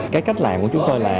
cái cách làm của chúng tôi là